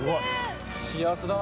幸せだな。